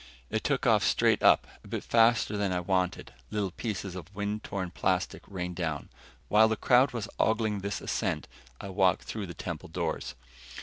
It took off straight up a bit faster than I wanted; little pieces of wind torn plastic rained down. While the crowd was ogling this ascent, I walked through the temple doors.